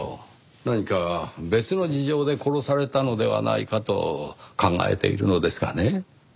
何か別の事情で殺されたのではないかと考えているのですがね。